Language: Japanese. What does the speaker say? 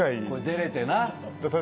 これ出れてな。